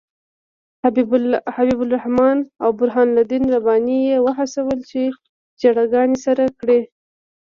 حبیب الرحمن او برهان الدین رباني یې وهڅول چې ژړاګانې سر کړي.